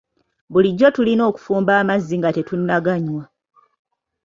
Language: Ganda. Bulijjo tulina okufumba amazzi nga tetunnaganywa.